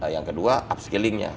yang kedua upskillingnya